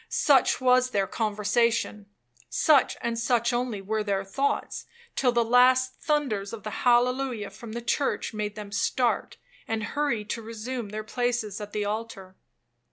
Such was their conversation,—such and such only were their thoughts, till the last thunders of the allelujah from the church made them start, and hurry to resume their places at the altar.